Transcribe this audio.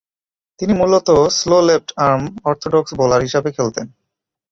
তিনি মূলতঃ slow left arm orthodox bowler হিসেবে খেলতেন।